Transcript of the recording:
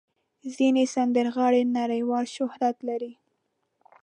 ځینې سندرغاړي نړیوال شهرت لري.